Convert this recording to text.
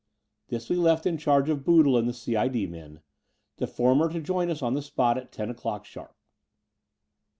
This we left in charge of Boodle and the C.I.D. men, the former to join us on the spot at ten o'clock sharp.